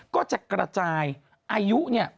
ก็จะกระจายอายุเนี่ย